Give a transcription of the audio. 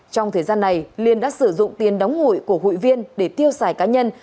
trong thời gian này liên đã sử dụng tiền đóng hội của hội viên để tiêu xài cá nhân